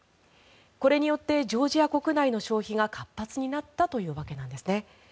これによってジョージア国内の消費が活発になったというわけなんですね。